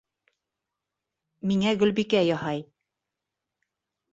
Миңә Гөлбикә яһай.